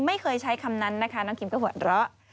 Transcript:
ไม่เคยใช้คำนั้นนะคะน้องคิมก็หัวเราะ